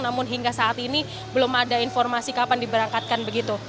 namun hingga saat ini belum ada informasi kapan diberangkatkan begitu